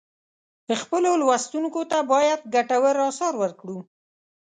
خپلو لوستونکو ته باید ګټور آثار ورکړو.